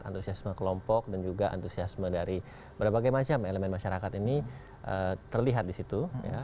antusiasme kelompok dan juga antusiasme dari berbagai macam elemen masyarakat ini terlihat di situ